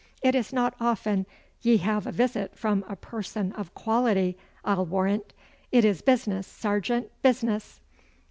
'It is not often ye have a visit from a person of quality, I'll warrant. It is business, sergeant, business!